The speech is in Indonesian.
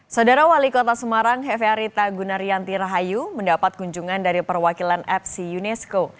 saudara wali kota semarang hefe arita gunarianti rahayu mendapat kunjungan dari perwakilan epsi unesco